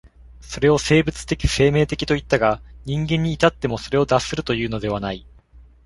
それを生物的生命的といったが、人間に至ってもそれを脱するというのではない。